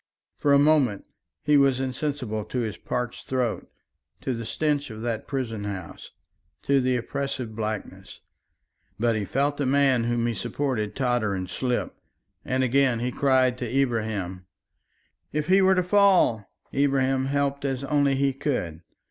For a moment he was insensible to his parched throat, to the stench of that prison house, to the oppressive blackness. But he felt the man whom he supported totter and slip, and again he cried to Ibrahim: "If he were to fall!" Ibrahim helped as only he could.